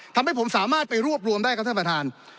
ทำให้ผมสามารถไปรวบรวมได้ครับท่านประธาน